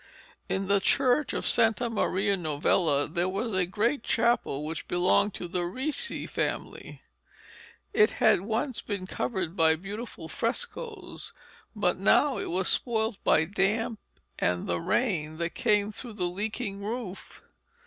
In the church of Santa Maria Novella there was a great chapel which belonged to the Ricci family. It had once been covered by beautiful frescoes, but now it was spoilt by damp and the rain that came through the leaking roof.